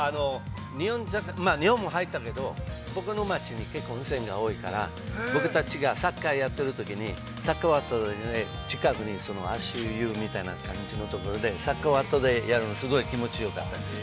◆日本も入ったけど、僕の町に結構、温泉が多いから、僕たちがサッカーやっているときにサッカーのあと、近くに足湯みたいな感じのところで、サッカーのあとでやるの、すごく気持ちよかったです。